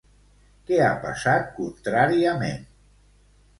Què ha passat contràriament?